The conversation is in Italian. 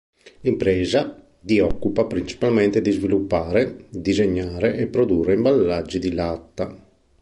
L'impresa di occupa principalmente di sviluppare, disegnare e produrre imballaggi di latta.